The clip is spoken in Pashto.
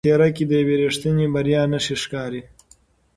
ستا په څېره کې د یوې رښتینې بریا نښې ښکاري.